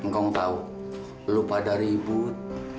engkau tau lu pada ribut